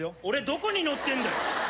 「俺どこに乗ってんだよ！」